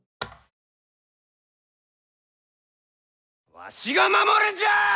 わしが守るんじゃあ！